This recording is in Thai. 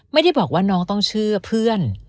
ไม่ได้บอกว่าน้องต้องเชื่อเพื่อน